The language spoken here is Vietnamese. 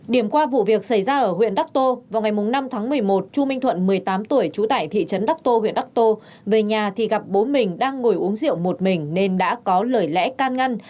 điểm qua vụ việc xảy ra ở huyện đắc tô vào ngày năm tháng một mươi một chu minh thuận một mươi tám tuổi trú tại thị trấn đắc tô huyện đắc tô về nhà thì gặp bố mình đang ngồi uống rượu một mình nên đã có lời lẽ can ngăn